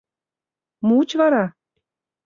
— Муыч вара?